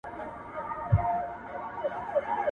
کيدای سي نن یو څه نوي واورو.